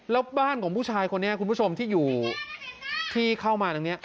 แล้วบ้านของผู้ชายคนนี้คุณผู้ชมที่อยู่ที่เข้ามาทางนี้